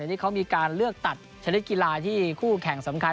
นี่เขามีการเลือกตัดชนิดกีฬาที่คู่แข่งสำคัญ